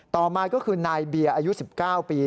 ต่อมาก็คือนายเบียร์อายุ๑๙ปี